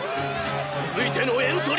続いてのエントリーは！！